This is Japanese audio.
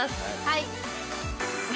はい。